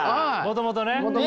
もともとね。